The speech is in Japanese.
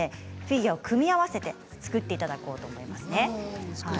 組み合わせて作っていただこうと思います。